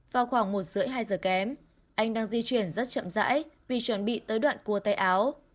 vào khoảng một h ba mươi hai giờ kém anh đang di chuyển rất chậm dãi vì chuẩn bị tới đoạn cua tay áo